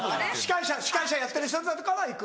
司会者やってる人だとかは行く？